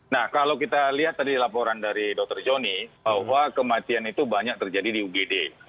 nah kalau kita lihat tadi laporan dari dr joni bahwa kematian itu banyak terjadi di ugd